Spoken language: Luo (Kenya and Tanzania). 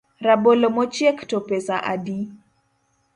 Rabolo mochiek to pesa adi?